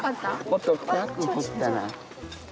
もっと深く掘ったら。